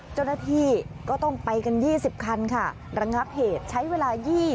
เจ้าหน้าที่ก็ต้องไปกัน๒๐คันค่ะระงับเหตุใช้เวลา๒๐